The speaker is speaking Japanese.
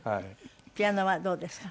ピアノはどうですか？